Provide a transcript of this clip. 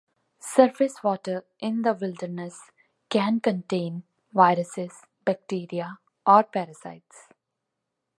Surface water in the wilderness can contain viruses, bacteria or parasites.